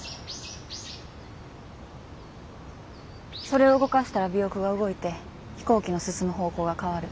それを動かしたら尾翼が動いて飛行機の進む方向が変わる。